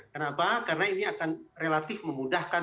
kenapa karena ini akan relatif memudahkan